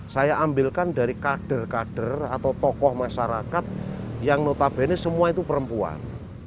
saya ambilkan dari kader kader atau tokoh masyarakat yang notabene semua itu perempuan